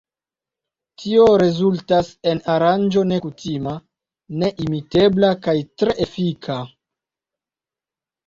Tio rezultas en aranĝo nekutima, neimitebla kaj tre efika.